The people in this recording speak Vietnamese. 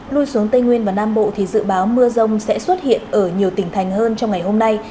lui xuống tây nguyên và nam bộ thì dự báo mưa rông sẽ xuất hiện ở nhiều tỉnh thành hơn trong ngày hôm nay